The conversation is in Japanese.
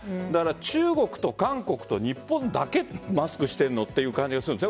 中国と韓国、日本だけマスクしているのという感じがします。